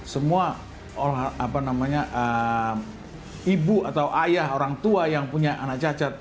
semua ibu atau ayah orang tua yang punya anak cacat